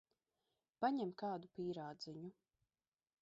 Paņem kādu pīrādziņu.